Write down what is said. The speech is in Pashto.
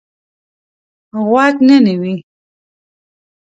غوږ نه نیوی.